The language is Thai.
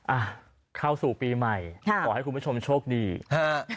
อ่ะเข้าสู่ปีใหม่ค่ะขอให้คุณผู้ชมโชคดีฮะ